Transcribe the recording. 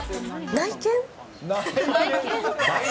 内見？